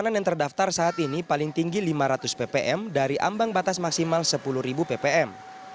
makanan yang terdaftar saat ini paling tinggi lima ratus ppm dari ambang batas maksimal sepuluh ppm